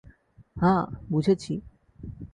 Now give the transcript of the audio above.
হাঁ, বুঝেছি।